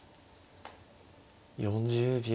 ４０秒。